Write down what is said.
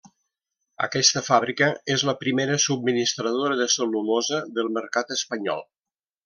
Aquesta fàbrica és la primera subministradora de cel·lulosa del mercat espanyol.